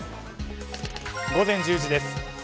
午前１０時です。